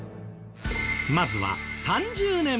まずは３０年前は？